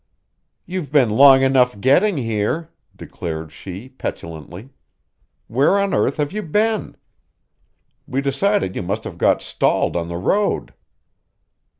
"You've been long enough getting here," declared she petulantly. "Where on earth have you been? We decided you must have got stalled on the road."